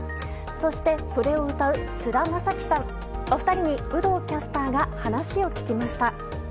そして、それを歌う菅田将暉さん、お二人に有働キャスターが話を聞きました。